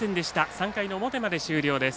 ３回の表まで終了です。